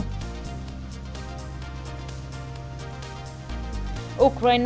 thường niên mang tên